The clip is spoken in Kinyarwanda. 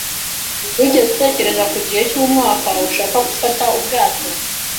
Wigeze utekereza ku gihe cyumwaka ushaka gufata ubwato?